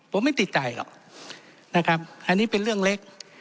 ผมไม่ติดใจหรอกนะครับอันนี้เป็นเรื่องเล็ก